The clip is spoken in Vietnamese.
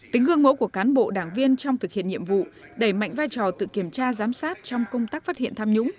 tính gương mẫu của cán bộ đảng viên trong thực hiện nhiệm vụ đẩy mạnh vai trò tự kiểm tra giám sát trong công tác phát hiện tham nhũng